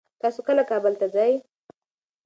تاسو کله کابل ته ځئ؟